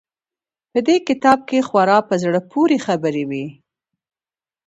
په دې کتاب کښې خورا په زړه پورې خبرې وې.